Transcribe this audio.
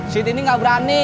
si tini gak berani